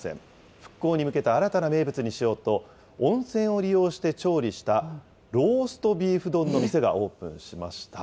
復興に向けた新たな名物にしようと、温泉を利用して調理した、ローストビーフ丼の店がオープンしました。